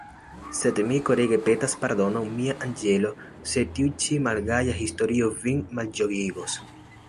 Sed mi korege petas pardonon, mia anĝelo, se tiu ĉi malgaja historio vin malĝojigos.